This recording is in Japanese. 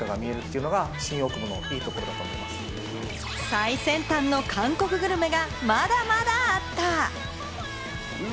最先端の韓国グルメがまだまだあった。